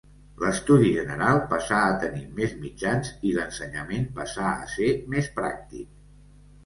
L'Estudi General passà a tenir més mitjans i l'ensenyament passà a ser més pràctic.